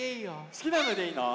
すきなのでいいの？